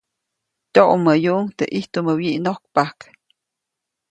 Tyoʼmäyuʼuŋ teʼ ʼijtumä wyiʼnojkpajk.